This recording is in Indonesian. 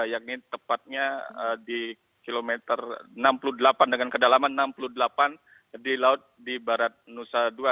yakni tepatnya di kilometer enam puluh delapan dengan kedalaman enam puluh delapan di laut di barat nusa dua